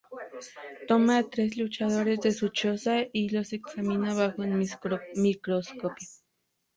Toma a tres luchadores de su choza y los examina bajo un microscopio.